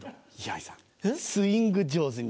兄さんスイング上手に。